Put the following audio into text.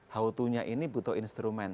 how to nya ini butuh instrumen